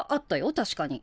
確かに。